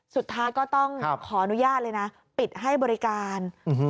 สุดท้ายก็ต้องขออนุญาตเลยนะปิดให้บริการ